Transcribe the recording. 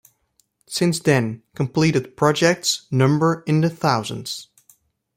Since then, completed projects number in the thousands.